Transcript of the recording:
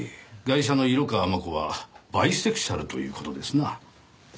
ガイシャの色川真子はバイセクシャルという事ですな。